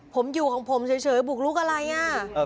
ผมอยู่ของผมเฉยบุกลุกอะไรอ่ะ